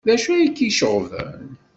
D acu ay k-iceɣben?